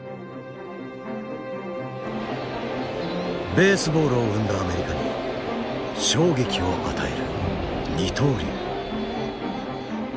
ベースボールを生んだアメリカに衝撃を与える二刀流。